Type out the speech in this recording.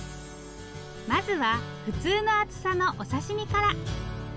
まずは普通の厚さのお刺身から。